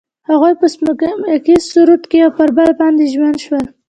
هغوی په سپوږمیز سرود کې پر بل باندې ژمن شول.